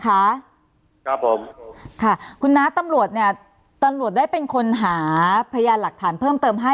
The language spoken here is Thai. ครับครับผมค่ะคุณน้าตำรวจเนี่ยตำรวจได้เป็นคนหาพยานหลักฐานเพิ่มเติมให้